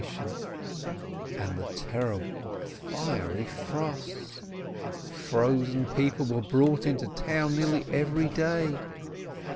216 LERNER And the terrible, fiery frosts ! Frozen people were brought into the town nearly every day.